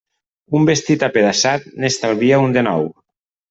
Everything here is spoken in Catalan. Un vestit apedaçat n'estalvia un de nou.